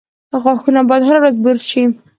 • غاښونه باید هره ورځ برس شي.